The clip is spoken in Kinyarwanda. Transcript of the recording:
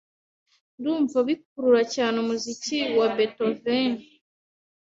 Ndumva bikurura cyane umuziki wa Beethoven.